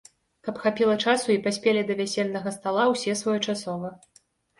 Каб хапіла часу і паспелі да вясельнага стала ўсе своечасова.